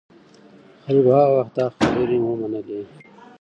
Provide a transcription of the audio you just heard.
خلکو هغه وخت دا خبرې ومنلې.